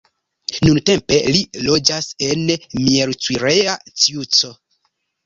Nuntempe li loĝas en Miercurea Ciuc.